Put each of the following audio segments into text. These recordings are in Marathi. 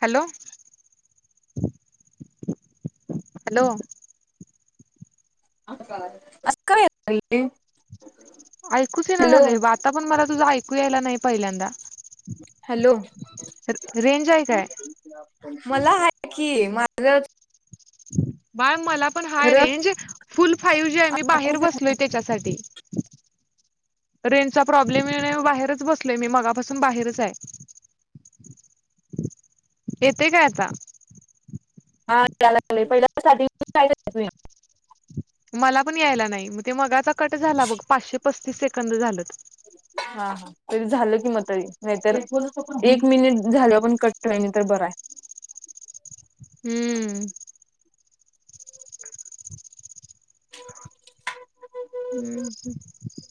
हॅलो हॅलो असं का येतंय ते ऐकूच ना झाले आता पण मला तुझा ऐकू यायला नाही पहिल्यांदा हॅलो रेंज आहे काय मला कि माझ बाय मला पण high range full five G आहे मी बाहेर बसलोय त्याच्यासाठी रेंज चा प्रॉब्लेम ये नाही बाहेरच बसलोय मी मगापासून बाहेरच आहे येतेय काय आता हा या लाग पहिल्या मला पण यायला नाही मग ते मग आता कट झाला बघ पाचशे पस्तीस सेकंद झालं हा हा तरी झाल कि म तरी नाहीतर एक मिनिट झाल आपण कट तर बरं आहे. हम्म हम्म हम्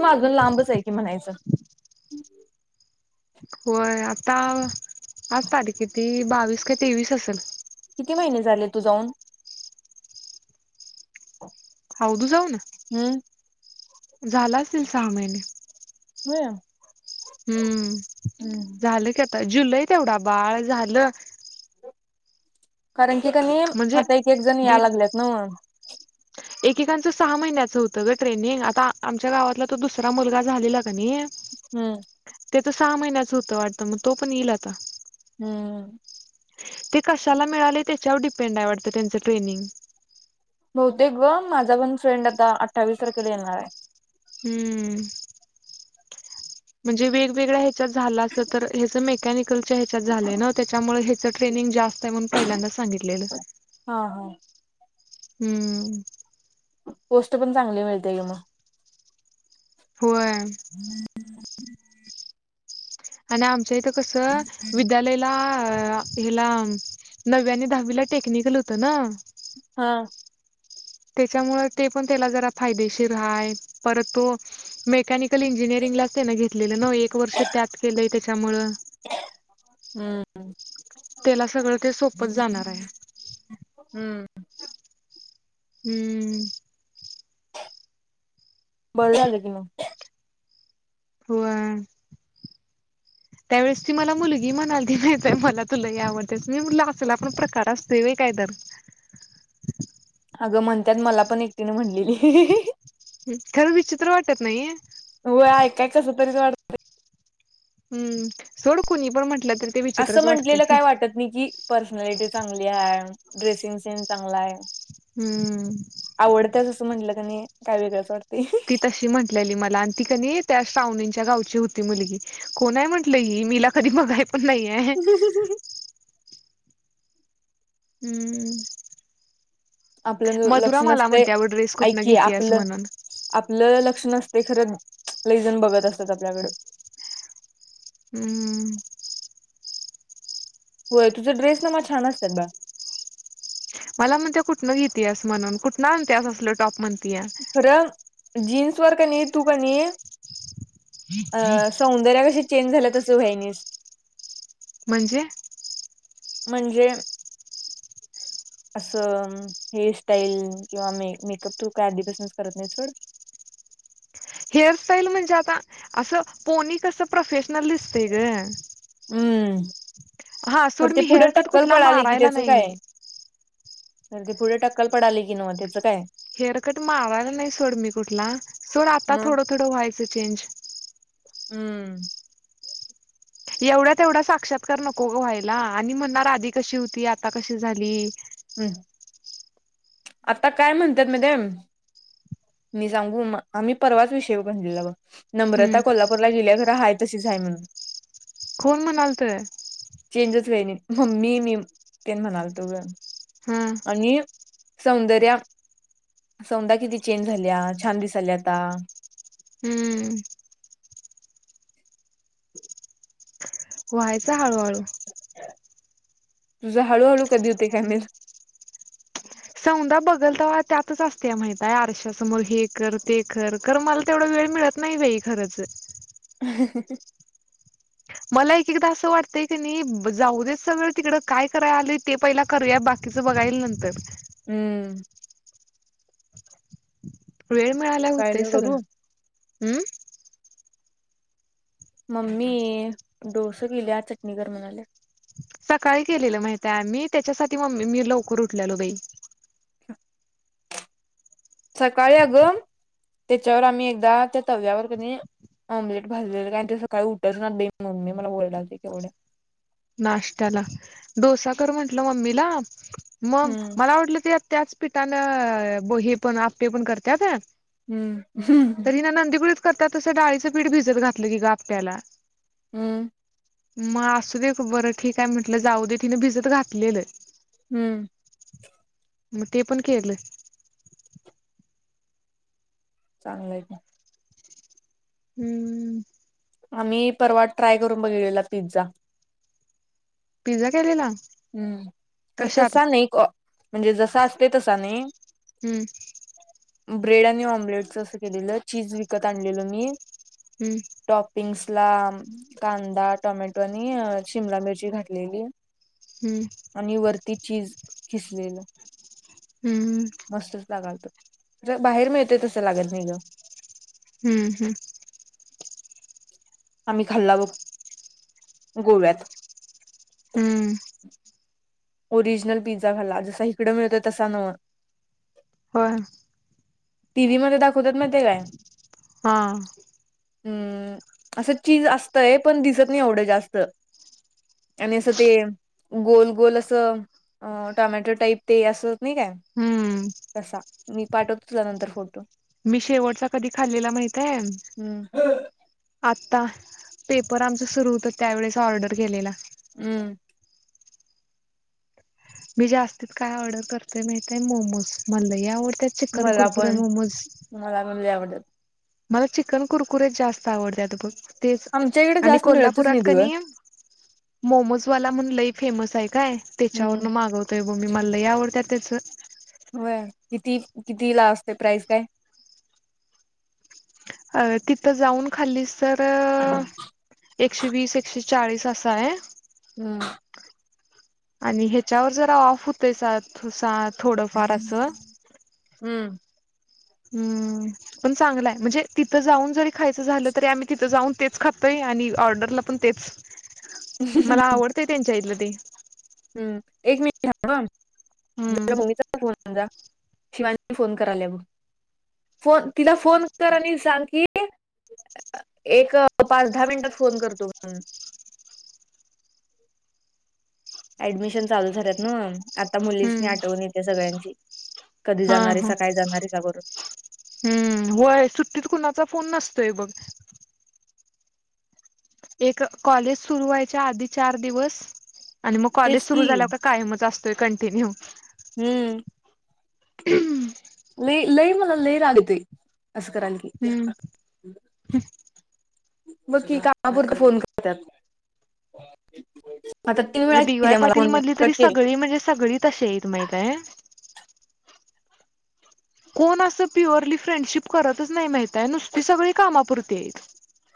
मागून लांबच आहे की म्हणायचं होय आता आज तारीखे ती बावीस का तेवीस असेल किती महिने झाले तू जाऊन अवधू जाऊ ना हम्म झाला असेल सहा महिने होय. हम्म हम्म झालं की आता जुलै तेवढा बाळ झालं कारण की कनी म्हणजे आता एक एक जण याय दीड लागलेत न्हवं एकेकांचं सहा महिन्याचं होतं ग ट्रेनिंग आता आमच्या गावातला तो दुसरा मुलगा झालेला कणी हम्म ते तर सहा महिन्याच होतं वाटतं मग तो पण येईल आता हम्म. ते कशाला मिळाले त्याच्यावर डीपेंड आहे वाटतं त्यांच ट्रेनिंग. बहुतेक ग माझा पण फ्रेंड आता अठ्ठावीस तारखेला येणार आहे हम्म. म्हणजे वेगवेगळ्या ह्याच्यात झालं असेल तर याचं मेकॅनिकल च्या याच्यात झालंय नव्ह त्याच्यामुळे ह्याच ट्रेनिंग जास्त, पहिल्यांदा सांगितलेलं हा हा हम् पोस्ट पण चांगली मिळते कि मग होय. [inaudible] आणि आमच्या इथं कसं विद्यालयाला अ हिला नववी आणि दहावी ला टेक्निकल होतं ना हा त्याच्यामुळे ते पण त्याला जरा फायदेशीर हाय पर तो मेकनिकल इंजिनरंग घेतललं न्हवं एक वर्ष त्यात केलंय त्याच्यामुळे [inaudible] हम्म त्याला सगळं ते सोपच जाणार आहे हम्म [inaudible] हम्म [inaudible] बरं झालं की मग. [inaudible] व्हय. त्यावेेळेस ती मला मुलगी म्हणाली ती माहीत आहे मला तु लय आवडत्यास मी म्हटल असला पण प्रकार असतोय होय काय तरर अगं म्हणतात मला पण एकटीने म्हणलेली खरं विचित्र वाटत नाहीे हो ऐकायं कस तरीच वाटतंय. हम्म सोडकुणी पण म्हटलं तरी ते असं विचित्रच म्हंटलेलं वाटतंय काय वाटत नाही की पर्सनॅलिटी चांगली हाय. ड्रेसिंग सेन्स चांगला आहे हम्म आवडत्यास असं म्हटलं कणीं काय वेगळंच वाटतंय. ती तशी म्हटलेली मला आणि ती कनी त्या पाहुण्यांच्या गावची होती मुलगी कोण आहे म्हटल की मी हिला कधी बगाय पण नाहीये. हम्म. आपलं मधुरा लक्ष मला म्हणते अगं ड्रेस नसतेयं कुठनं ऐक घेतेस आपलं म्हणून. आपलं लक्ष नसत ते खरं लय जण बघत असतात आपल्याकडं हम्म. होय तुझं ड्रेस नमा छान असतात बा मला म्हणत्या कुठनं घेतियास म्हणून कुठनं आंतियास असल टॉप म्हणत खर जीन्स वर कणीं आहे तू कणी अ सौंदरय कशी चेंज झाला तस व्हायनीस. म्हणजे म्हणजे असं हेअरस्टाईल किंवा मे मेकअप तू काय आधीपासूनच करत नाही सोड. [inaudible] हेअरस्टाईल म्हणजे आता असं पोनी कसं प्रोफेशनल दिसत ग हम्म तर ते पुढं हेअरकट टक्कल कुठला पडली कि मारायला त्याच नाही काय? मी. तर ते पुढे टक्कल पडाली की नव्ह म त्याचं काय. हेअरकट मारयला नाही सोड मी कुठला. सोड आता मग थोडं-थोडं व्हायचं चेंज. हम्म. एवढ्या-तेवढा साक्षातकार नको व्हायला. आणि म्हणणार आधी कशी होती. आता कशी झाली. हम् आता काय म्हणतात. म्हायती हाय. मी सांगू. आम्ही परवाच विषय म्हणनलेला बग हम्म नम्रता कोल्हापूरला गेल्या खर हा. तशीच आहे म्हणून. कोण म्हणालत. चेंजच काही नाही मम्मी मी तेन म्हणालतो ग हा आणि. सौंदर्या सौंद्या किती चेंज झाल्या छान दिसाल्या आता. हम्म. व्हायचा हळूहळू. तुझ हळूहळू कधी होतय काय माहित. सौंदा बघल तवा त्यातच-असत्या माहिताय आरश्या समोर हे कर ते कर खर मला तेवढं वे वेळ मिळत नाही बाई खरच. हहह.... मला एक-एकदा असं वाटतंय की नाही. जाऊ दे सगळ तिकड काय करायला आलोय ते पहिला करूया बाकी. बाकीच बघाईल नंतर. हम्म. वेळ मिळाल्याव काय होतय ल करू सगळं. हम्म. मम्मी डोस केल्या. चटणीकर म्हणाल्या. सकाळी केलेलं माहितेय आम्ही. त्याच्यासाठी मम्मी मी लवकर उठलेलो बाई. सकाळी अगं त्याच्यावर आम्ही एकदा त्या तव्यावर कणी. ऑमलेट भाजलेलं काय. आणि ते सकाळी उठचणात बाई मम्मी मला ओरडालती केवढं. नाष्टयाला डोसा कर म्हंटलं मम्मीला. मग हम्म मला वाटलं ते. त्याच पीठानं बो हे पण आप्पे पण करत्यात. हम्म. हम्म. तर हिनं नंदीकुळीत करत्यात तसं डाळीचं पीठ भिजत घातलं की ग आप्याला. हम्म. मग असू दे बरं ठीकहाय म्हंटलं जाऊ दे तिने भिजत घातलेलं. हम्म. मग ते पण केलं. चांगलं आहे का. हम्म. आम्ही परवा ट्राय करून बघितलेला पिझ्झा. पिझ्झा केलेला? हम्म तर कशात तसा नाही. म्हणजे जसा असतोय तसा नाही. ह. ब्रेड आणि ऑम्लेट असं केलेलं. चीज विकत आणलेल मी हम्म टॉपिंग्स. आपला कांदा. टोमॅटो. आणि शिमला मिरची घातलेली. हम्म आणि वरती चीज खिसलेलं. हम्म मस्तच लागालत. बाहेर मिळतय तसं लागत नाही ग. हम्म. हम्म. आम्ही खाल्ला बग गोव्यात. हम्म. ओरिजनल पिझ्झा खाल्ला. जसा इकडं मिळतोय तसा नव. होय. टीव्ही मध्ये दाखवतात माहिताय काय. हा, हम्म असं चीज असतय पण दिसत नाही एवढं जास्त आणि असं ते गोल-गोल अस टमॅटो टाईप ते अस होत नाही काय हम्म कसा मी पाठवतो तुला नंतर फोटो मी शेवटचा कधी खाल्लेला माहित आहे हम्म आता पेपर आमचं सुरू होत त्यावेेळेस ऑर्डर केलेला हम्म, मी जास्तीत काय ऑर्डर करतोय माहतय मोमोज मला याव त्या चिकन मला कुर्कुर पण मोमोज मला पण लय आवडतात मला चिकन कुरकुर्यात जास्त आवडते आता बघ तेच आमच्या इकडे आणि जास्त मिळतच कोल्हापुरात नाहीत क ग मोमोजवाला म्हण लई फेमस आहे काय हम्म त्याच्यावरन मागवतोय ब मी मला आवडत त्याचं किती-किती ला असते प्राईज काय अ तिथं जाऊन खाली तर एकशे वीस-एकशे चाळीस असं आहे हम्म, आणि ह्याच्यावर जरा ऑफ होतय थोडंफार असं हम्म हम्म पण चांगलाय म्हणजे तिथं जाऊन जरी खायचं झालं तरी आम्ही तिथं जाऊन तेच खातातोय आणि ऑर्डरला पण तेच मला आवडतंय त्यांच्या इथलं ते हम्म [unintelligible] शिवांशी फोन कराला बघ फोन तिला फोन कर आणि सांग की एक पाच दहा मिनिटात फोन करतो म ऍडमिशन चालू झाल्यात ना आता मुलीसनी आठवून येते सगळ्यांची कधी हा-हा जाणारीसा काय जाणारीसा करून हम्म हो आहे सुुट्टी त कोणा फोन नसते बघ, एक कॉलेज सुरू व्हायच्या आधी चार दिवस आणि मग कॉलेज तेच सुरू की झाल्यावर कायमच असतोय कंटिन्यू हम्म, [inaudible] लय मला लय राग येतोय असं कराल की हम्म मग कि कामापुरत फोन करतत [inaudible] डी-वाय पाटील मधली तरी सगळी म्हणजे सगळी तशी आहेतेत माहितय कोण असं प्युअरली फ्रेंडशिप करतच नाही, माहतय नुसती सगळी कामापुरती आहे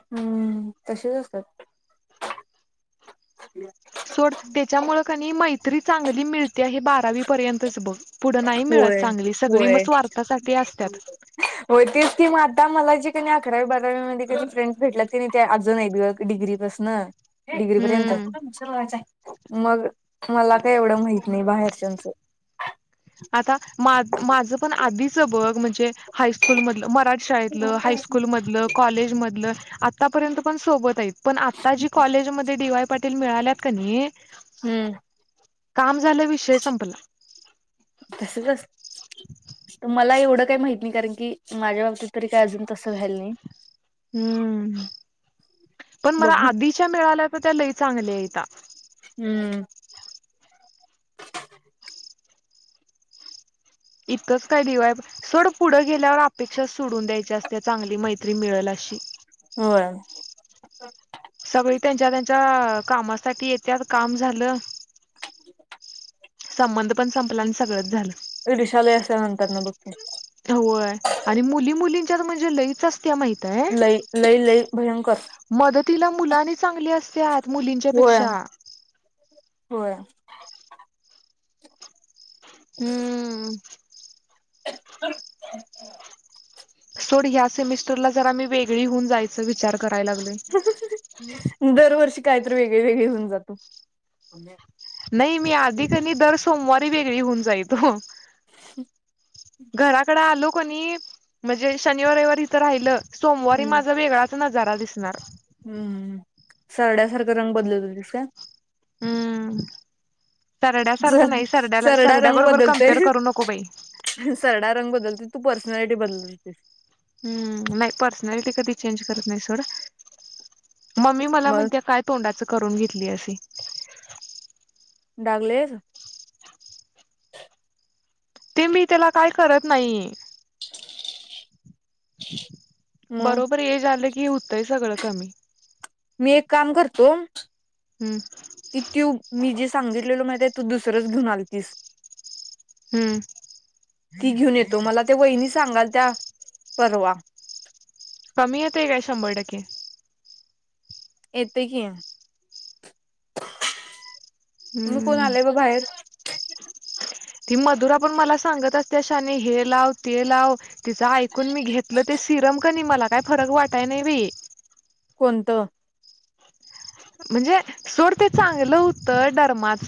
हम्म तसेच असतात. [unintelligible] सोड त्याच्यामुळे मैत्री चांगली मिळते हे बारावी पर्यंतच बघ पुढं नाही मिळत चांगली सगळी मग होय-होय स्वार्थासाठी असत्यात होय, तेच ते आता मला जे क अकरावी बारावीमध्येध्ये की फ्रेंड्स भेटला त ते अजून आहेत ग डिग्री पासून डिग्री पर्यंत हम्म मग, मला काय एवढं माहित नाही बाहेरच्याचं आता माझ पण आधीचं बघ म्हणजे हायस्कूल मधलं, मराठ शाळेतलं, हायस्कूल हम्म मधलं, कॉलेजमधलं आतापर्यंत पण सोबत आहेत, पण आता जी कॉलेजमध्येध्ये डी-वाय पाटील मिळाल्यात का नाही हम्म, काम झाल्या विषय संपला. तसंच असते, तर मला एवढं काही माहत नाही कारण की माझ्या बाबतीत तरी काय अजून तसं व्हायल नाही, हम्म पण मला बघू आधीच्या मिळाल्या तर त्या लय चांगल्या आहेता हम्म, इतकंच काय दिवाय सोड पुढं गेल्यावर अपेक्षा सोडून द्यायच्या असते चांगली मैत्री मिळेल असते तशी. होय. सगळी त्यांच्या त्यांच्या कामासाठी येत्यात काम झालं संबंध पण संपलं आणि सगळंच झालं [unintelligible] असं अंतरनं बघती होय आणि मुली मुलींच्यात म्हणजे लईच अस त्या माहित आहे लई लई लई भयंकर मदतीला मुलं आणि चांगली अस त्यात होय मुलींच्यापेक्षा. होय. हम्म. [inaudible] सोड ह्या सेमिस्टरला जरा मी वेगळी होऊन जायचं विचार करायला लागलोय दरवर्षी कायतरी वेगळी वेगळी होऊन जातो. नाही, मी आधी क नाही दर सोमवारी वेगळी हुन जायतो. [inaudible] घराकडं आलो क नई म्हणजे शनिवार रविवार इथं राहिलं, सोमवारी हम्म माझा वेगळा नजारा दिसणार. हम्म, सरड्यासारखं रंग बदलत हुतीस काय? हम्म. सरड्यासारखं सर नाही, सरड्याला सरडा रंग सरड्याबरोबर कॅम्पेयर बदलतोय करू नको बाई. सरडा रंग बदुलतंय तू पर्सनॅलिटी बदलत होतीस. हम्म, नाही पर्सनॅलिटी कधी चेंज करत नाही, सोड. मम्मी मला मग म्हणत्या, काय तोंडाच करून घेतली अशी? डाग लई हायेत? [inaudible] ते मी त्याला काय करत नाही. मग बरोबर हे झालं की, हुतंय सगळं कमी. मी एक काम करतो, हम्म ती ट्यूब मी जे सांगितलेल माहितयं, तू दुसरच घेऊन आलतीस. हम्म. ती घेऊन येतो. मला त्या वहिनी सांगालत्या परवा कमी येतयं काय शंभर टक्के? येतंय की. मु कोण हम्म आलेय ग बाहेर? ती मधुरा पण मला सांगत असत्या, शाने हे लाव, ते लाव. तिचं ऐकून मी घेतलं ते सिरम कणी मला काय फरक वाटाय नाही बई. कोणतं? म्हणजे सोड ते चांगलं हुतं डर्माच.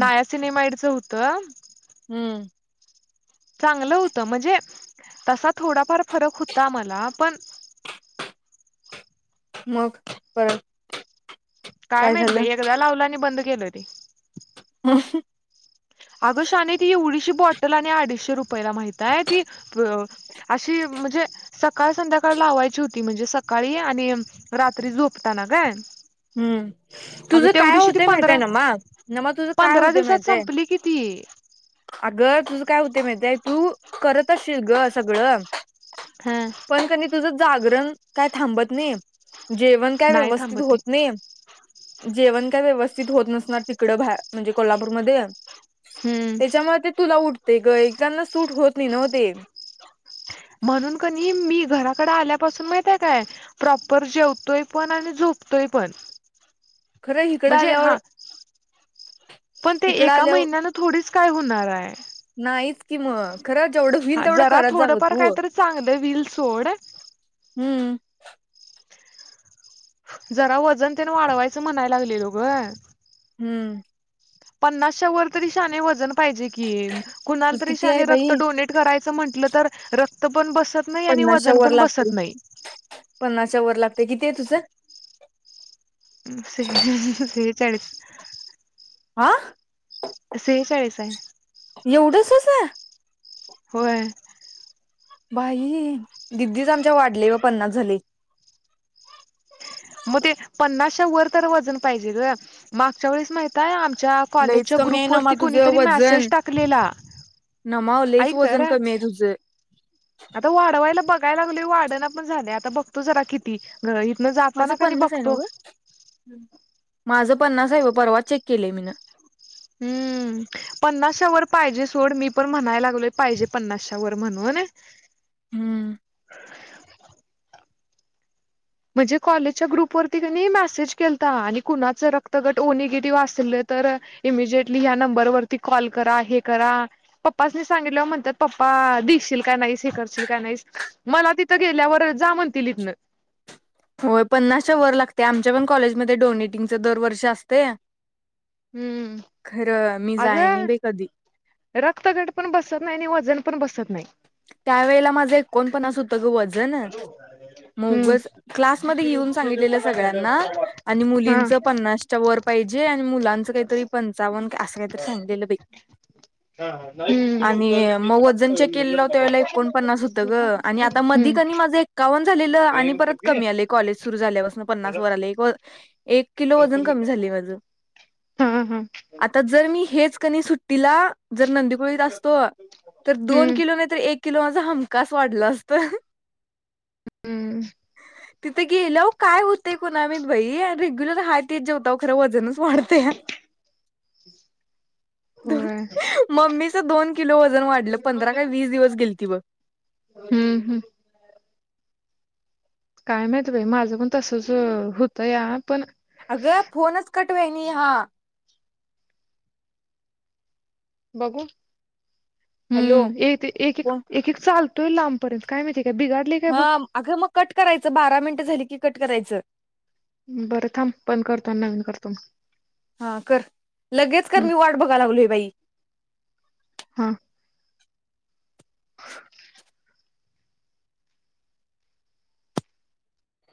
नाया, सिनेमाइडचं हुतं. हुम. चांगलं होत. म्हणजे तसा थोडाफार फरक हूता मला. पण [inaudible] मगं परत? काय माहित बाई, एकदा लावलानी बंद केलं ते. ऊ हूं. अगं शाने ती येवडीशी बॉटल आणि अडीशे रुपयला माहिताय, ती अशी म्हंजे सकाळ संध्याकाळ लावायची होती. म्हणजे सकाळी आणि रात्री झोपताना ग. हम्म, तुझं काय होतंय माहितय पंधरा नमा, नमा तुझं काय पंधरा होतयं दिवसात माहितेय? संपली कि ती अगं तुझ काय हूतयं माहितेय तू करत असशील गं सगळं पण क नाय तुझं जागरण काय थांबत नई. जेवण काय नाही व्यवस्थित थांबत होत नाही, जे जेवण काय व्यवस्थित होत, नसणार तिकडं बाहे म्हणजे कोल्हापूरमध्ये. त्याच्यामुळे ते तुला उठते ग, एकेकांना सूट होत, नाही नव्ह ते. घराकडं आल्यापासून माहिंतेय काय, प्रॉपर जेवतोय पण आणि झोपतोय पण. खरं इकडं म्हणजे हा, आल्यावर पण ते इकडं एका आल्यावर महिन्यानं थोडीचं काय हुणार हाय. नाहीच कि मग. खरं जेवढं होईल हा तेवढं जरा करत जागं थोडंफार तू काहीतरी चांगलं व्हील सोड हम्म. जरा वजन त्यान वाढवायचं म्हणायला लागलेलो गं. हम्म. पन्नासच्या वर तरी शने वजन पाहिजे कि, कुणाला तुझ तरी किती आहे शने रक्त बाई डोनेट करायच. म्हट तर रक्त पण बस पन्नाश वर लागते पन्नासा वर लागते किती आहे तुझं. स स सेचाळीस. आ. शेषळेस आहे [unintelligible] एवढंसच आहे होय बाई दिदीच आमच्या वाढले व पन्नास झालेय. मग ते पन्नासच्या वर तर वजन पाहिजे मागच्या वेळेस माहितय आग. च्या लईच कॉलेजच्या कमी आहे ग्रुप नमा वरती तुझं कोणीतरी मेसेज वजन टाकलेला. नमा लईच ऐक तर वजन कमी आहे तुझं. आता वाढवायला बघाय लागल वाढण पण झालं आता बघतो जरा किती गत इथूनच. माझ पन्नास आहे नव माझ. पन्ना परवा चेक केलेय मीन. हम्म पन्नासश वर पाहिजे सोड मी पण म्हणायला लागलोय पाहिजे पन्नासश वर म्हणून. नाय. म्हणजे कॉलेजच्या ग्रुप वरती त्यांनी मेसेज केता आणि कुणाच रक्तगट ओ निगेटिव्ह असल तर इमिजटली ह नंबरवरती कॉल करा हे करा पप्पा सनी सांगित म्हणात पप्पा. हा दिसशील का नाहीस हे करशील का नाहीस मला तिथं गेल्यावर जा म्हणतील इथं ना. होय पन्नासच्या वर लागतेय आमच्या पण कॉलेजमध्ये डोनेटिंगच दरवर्ष असते. खरं मी हम्म अग जाय नाही बाई कधी रक्तगट पण बसत नाही आणि वजन. पण बसत नाही. त्या वेळेला माझं एकोणपस होत ग वजन हम्म मगच क्लासमध्ये येऊन सांगितलं. [unintelligible] सळना मुली हा प् वर पाहिजे आणि मुलांच कातरी पंवन्न काय तर सांगितलं बाई हम्म आणि मग वजन चेक. केलेलं त्या वळेला एकोणपन्नास होतं, ग आणि आता मधी कनी माझं एक्कावन्न झालेलं आणि परत कमी आले ग. कॉलेज सुरू झाल्याून पन्नास वर किलो वजन कमी झाली माझ. हा हा आता जर मी हेच कनी सुट्टीला. जर नंदीकुळीत असतो तर दोन. हम्म किलो नाही तर एक किलो माझा हमकाास वाढला असत. हम्म. तिथे गेलं हो काय होतेय कोणामी बई रेग्युलर हात जेव खरं वजनच वाढतेया. हं होय अ ममीच दोन किलो वजन वाढलं पंधरा. काय वीस दिवस गेलती बग. हम्म हम्म काय माहित बाई माझं पण तसंच होतं या पण. अगळ फोनच कटवानी हां. बघू हॅलो हम्म एक एक एक फोन एक एक चालतोय लांबपर्यंत काय माहिती. हा अगं मग कट करायचं बारा मिनटं झाली की कट करायचं. बरं थांब बंद करतो आणि नवीन करतो म हां कर लगेच कर मी वाट बघाय लागलोय बाई. हां. [inaudible]